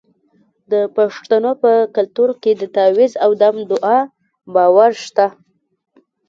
د پښتنو په کلتور کې د تعویذ او دم دعا باور شته.